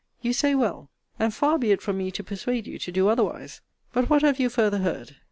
You say well. And far be it from me to persuade you to do otherwise. But what have you farther heard?